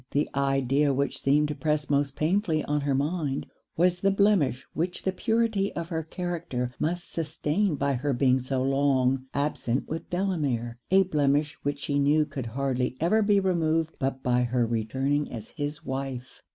The idea which seemed to press most painfully on her mind, was the blemish which the purity of her character must sustain by her being so long absent with Delamere a blemish which she knew could hardly ever be removed but by her returning as his wife.